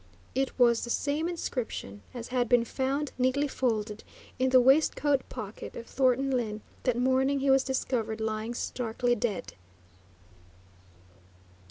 It was the same inscription as had been found neatly folded in the waistcoat pocket of Thornton Lyne that morning he was discovered lying starkly dead.